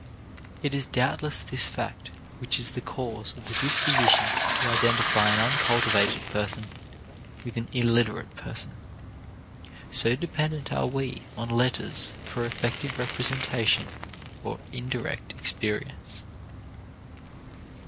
It is doubtless this fact which is the cause of the disposition to identify an uncultivated person with an illiterate person so dependent are we on letters for effective representative or indirect experience.